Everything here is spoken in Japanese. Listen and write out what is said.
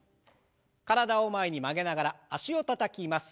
体を前に曲げながら脚をたたきます。